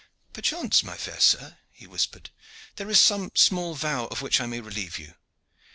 "Perchance, my fair sir," he whispered, "there is some small vow of which I may relieve you.